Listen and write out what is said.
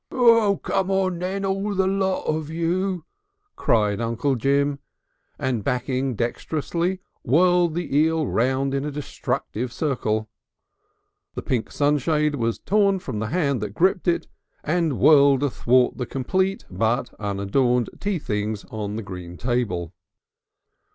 "Oh, come on then all the LOT of you!" cried Uncle Jim, and backing dexterously whirled the eel round in a destructive circle. The pink sunshade was torn from the hand that gripped it and whirled athwart the complete, but unadorned, tea things on the green table.